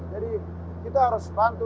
jadi kita harus bantu